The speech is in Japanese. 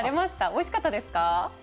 おいしかったですか？